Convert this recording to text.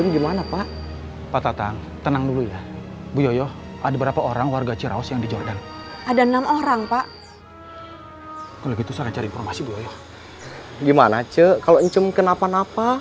gimana ce kalau encam kenapa napa